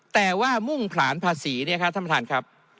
แต่ว่ามุ่งผลานภาษีเนี่ยครับท่านประธานครับ